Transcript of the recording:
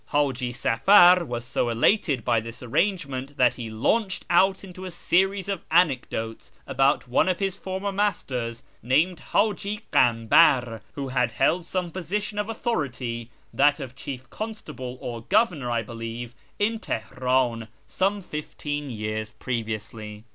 Haji Safar was so elated by this arrangement that he launched out into a series of anecdotes about one of his former masters, named Haji Kambar, who had held some position of authority (that of chief constable or governor, I believe) in Teheran, some fifteen years previously.